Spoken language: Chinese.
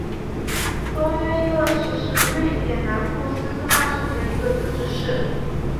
东约因厄市是瑞典南部斯科讷省的一个自治市。